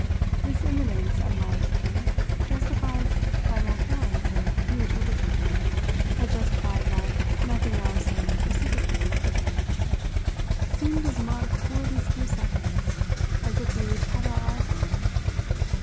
This imminence of my assent, justified by my horror of her huge egotism, but justified by nothing else and precipitating everything, seemed as marked for these few seconds as if we each had our eyes on it.